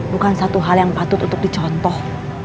bukan satu hal yang patut untuk dicontoh